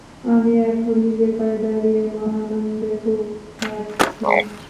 আমি এখন নিজের পায়ে দাঁড়িয়ে মহানন্দে খুব খাটছি।